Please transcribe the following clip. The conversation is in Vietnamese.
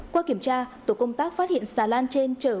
qua kiểm tra tổ công tác phát hiện xà lan trên chở